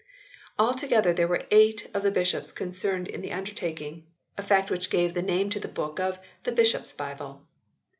Altogether there were eight of the bishops concerned in the undertaking, a fact which gave the name to the book of "The Bishops Bible."